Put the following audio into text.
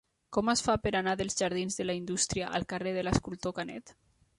Com es fa per anar dels jardins de la Indústria al carrer de l'Escultor Canet?